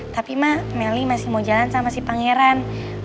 tapi ma meli masih mau jalan sama si pangeran ya